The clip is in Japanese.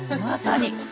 まさに！